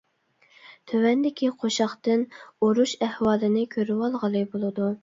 تۆۋەندىكى قوشاقتىن ئۇرۇش ئەھۋالىنى كۆرۈۋالغىلى بولىدۇ.